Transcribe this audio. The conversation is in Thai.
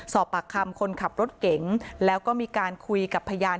สอบปากคำคนขับรถเก๋งแล้วก็มีการคุยกับพยาน